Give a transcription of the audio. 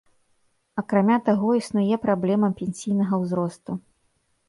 Акрамя таго, існуе праблема пенсійнага ўзросту.